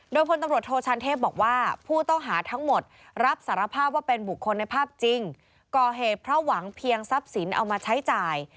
โดยพลตำรวจโทชานเทพบอกว่าผู้ต้องหาทั้งหมดรับสารภาพว่าเป็นบุคคลในภาพจริงก่อเหตุเพราะหวังเพียงทรัพย์สินเอามาใช้จ่าย